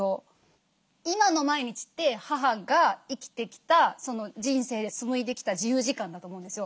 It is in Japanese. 今の毎日って母が生きてきたその人生で紡いできた自由時間だと思うんですよ。